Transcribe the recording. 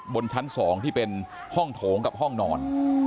บนชั้น๒ที่เป็นห้องโถงกับห้องนอน